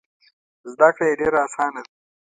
زده کړه یې ډېره اسانه ده.